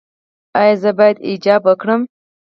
ایا زه باید حجاب وکړم؟